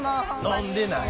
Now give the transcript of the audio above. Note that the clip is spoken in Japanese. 飲んでない。